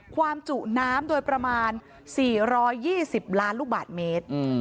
ความจุน้ำโดยประมาณ๔๒๐ล้านลูกบาทเมตร